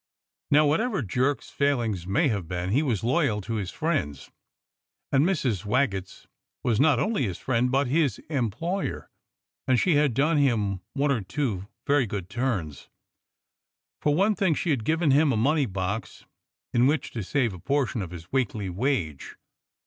Now whatever Jerk's failings may have been, he was loyal to his friends, and lOI 102 DOCTOR SYN Mrs. Waggetts was not only his friend but his employer, and she had done him one or two very good turns. For one thing, she had given him a money box in which to save a portion of his weekly wage.